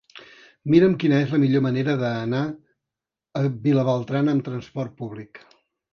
Mira'm quina és la millor manera d'anar a Vilabertran amb trasport públic.